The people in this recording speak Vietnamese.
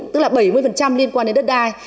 tức là bảy mươi liên quan đến đất đai